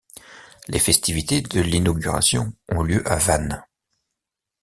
Les festivités de l'inauguration ont lieu à Vannes.